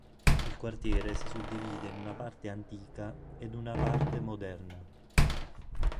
Il quartiere si suddivide in una parte "antica" ed una parte "moderna".